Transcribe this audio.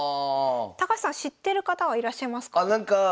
高橋さん知ってる方はいらっしゃいますか？